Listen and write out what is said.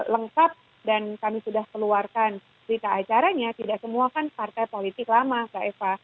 lengkap dan kami sudah keluarkan berita acaranya tidak semua kan partai politik lama mbak eva